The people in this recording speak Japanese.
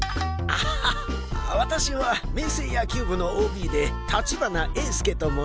あ私は明青野球部のＯＢで立花英介と申します。